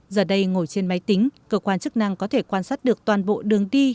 giờ đây ngồi trên máy tính cơ quan chức năng có thể quan sát được toàn bộ đường đi